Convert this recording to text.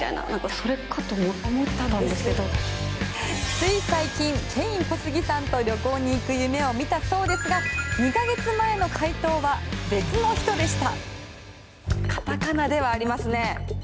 つい最近ケイン・コスギさんと旅行に行く夢を見たそうですが２ヶ月前の回答は別の人でした。